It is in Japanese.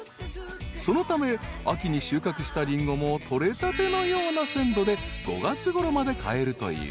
［そのため秋に収穫したリンゴも取れたてのような鮮度で５月ごろまで買えるという］